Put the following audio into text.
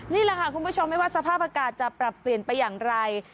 นี่แหละค่ะคุณผู้ชมไม่ว่าสภาพอากาศจะปรับเปลี่ยนไปอย่างไร